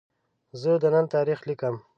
زه د نن تاریخ لیکم.